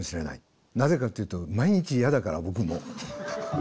なぜかというと毎日嫌だから僕も。